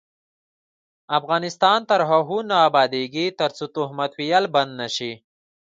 افغانستان تر هغو نه ابادیږي، ترڅو تهمت ویل بند نشي.